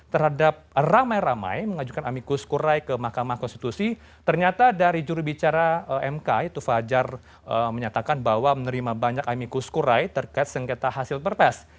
terhadap ramai ramai mengajukan amikus kurai ke mahkamah konstitusi ternyata dari jurubicara mk itu fajar menyatakan bahwa menerima banyak amikus kurai terkait sengketa hasil perpres